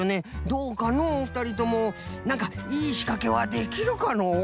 どうかのうふたりともなんかいいしかけはできるかのう？